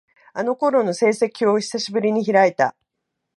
あの頃の成績表を、久しぶりに開いた。